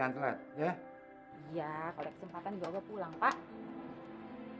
iya kalau ada kesempatan juga olga pulang pak